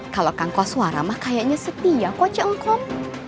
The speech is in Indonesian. kalau kangkos warama kayaknya setia kok ce engkom